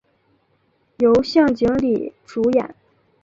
由向井理主演。